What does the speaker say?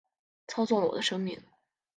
操纵了我的生命